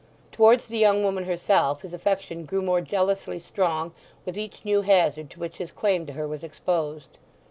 Towards the young woman herself his affection grew more jealously strong with each new hazard to which his claim to her was exposed.